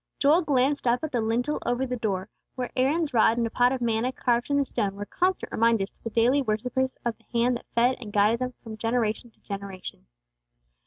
Joel glanced up at the lintel over the door, where Aaron's rod and a pot of manna carved in the stone were constant reminders to the daily worshippers of the Hand that fed and guided them from generation to generation.